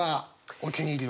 お気に入りは？